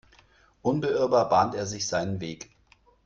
Unbeirrbar bahnt er sich seinen Weg.